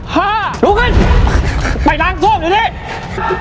ห้ารุกขึ้นไปล้างโทษเดี๋ยวนี่